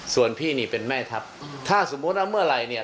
ส่วนพี่นี่เป็นแม่ทัพถ้าสมมุติว่าเมื่อไหร่เนี่ย